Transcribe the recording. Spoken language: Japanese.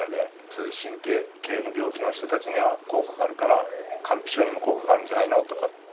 そういう神経系の病気の人たちには効果があるから乾皮症にも効果があるんじゃないのとか。